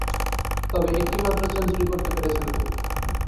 তবে, একটিমাত্র সেঞ্চুরি করতে পেরেছেন তিনি।